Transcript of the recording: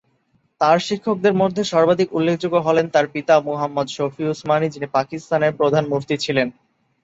তার শিক্ষকদের মধ্যে সর্বাধিক উল্লেখযোগ্য হলেন তার পিতা মুহাম্মদ শফি উসমানি, যিনি পাকিস্তানের প্রধান মুফতি ছিলেন।